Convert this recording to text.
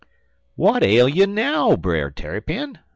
"'W'at ail you now, Brer Tarrypin?'